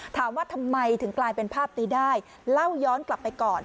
ถามว่าทำไมถึงกลายเป็นภาพนี้ได้เล่าย้อนกลับไปก่อน